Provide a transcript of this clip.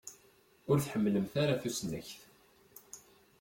Ur tḥemmlemt ara tusnakt.